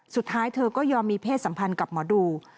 สุดท้ายเธอก็ยอมมีเพศสัมพันธ์กับหมอดู